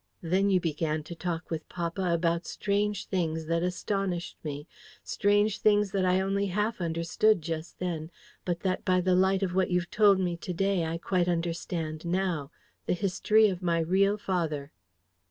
"Then you began to talk with papa about strange things that astonished me strange things that I only half understood just then, but that by the light of what you've told me to day I quite understand now the history of my real father.